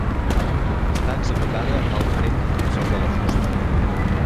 Està executada al tremp sobre fusta.